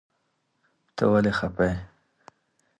ته ولي خفه يي